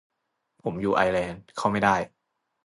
ผมอยู่ไอร์แลนด์ เข้าไม่ได้